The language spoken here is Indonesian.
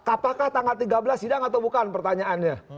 apakah tanggal tiga belas sidang atau bukan pertanyaannya